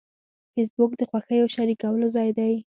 فېسبوک د خوښیو شریکولو ځای دی